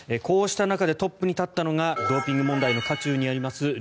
こうした中でトップに立ったのがドーピング問題の渦中にあります